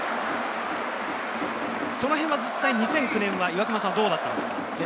その辺は実際２００９年はどうだったんですか？